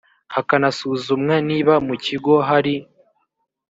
hakanasuzumwa niba mu kigo hari